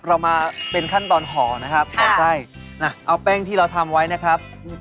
เรามาเป็นขั้นตอนห่อนะครับห่อไส้น่ะเอาแป้งที่เราทำไว้นะครับ